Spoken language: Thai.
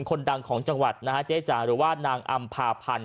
คนดังของจังหวัดนะฮะเจ๊จ๋าหรือว่านางอำภาพันธ์